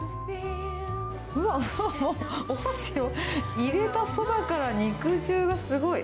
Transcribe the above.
うわ、お箸を入れたそばから、肉汁がすごい。